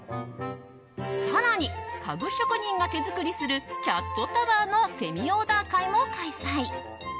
更に、家具職人が手作りするキャットタワーのセミオーダー会も開催。